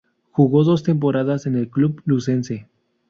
Jugó dos temporadas en el club lucense.